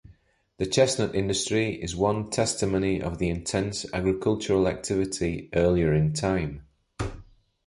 The chestnut industry is one testimony of the intense agricultural activity earlier in time.